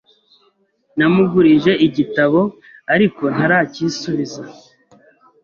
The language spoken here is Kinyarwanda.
Namugurije igitabo, ariko ntaracyisubiza.